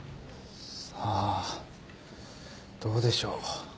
さあどうでしょう。